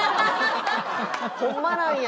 ホンマなんや！